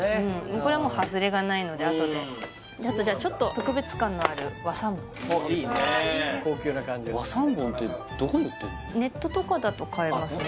これはもうハズレがないのであとであとじゃあちょっと特別感のあるいいね高級な感じがする和三盆ってどこに売ってんの？